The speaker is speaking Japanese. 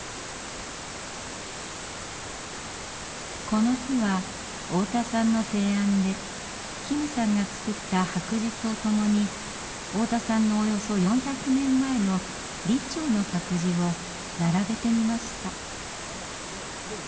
この日は太田さんの提案で金さんが作った白磁と共に太田さんのおよそ４００年前の李朝の白磁を並べてみました。